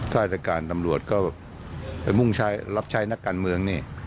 ถ้าแต่การตำรวจก็รับใช้นักการเมืองนี่